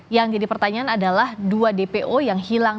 yang jadi pertanyaan adalah dua dpo yang hilang